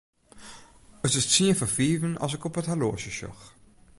It is tsien foar fiven as ik op it horloazje sjoch.